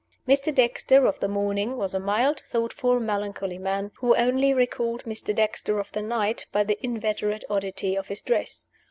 Mr. Dexter of the morning was a mild, thoughtful, melancholy man, who only recalled Mr. Dexter of the night by the inveterate oddity of his dress.